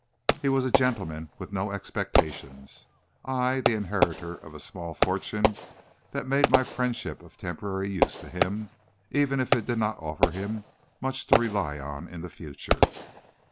"He was a gentleman with no expectations; I the inheritor of a small fortune that made my friendship of temporary use to him, even if it did not offer him much to rely on in the future.